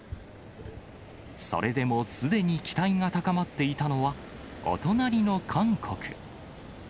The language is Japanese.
それでもすでに期待が高まっていたのは、お隣の韓国。